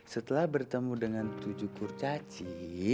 setelah bertemu dengan tujuh kurcaci